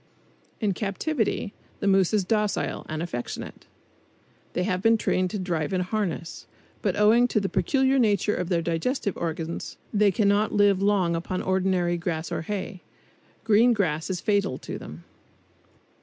In captivity the moose is docile, and affectionate. They have even been trained to drive in harness. But owing to the peculiar nature of their digestive organs, they cannot live long upon ordinary grass or hay. Green grass is fatal to them.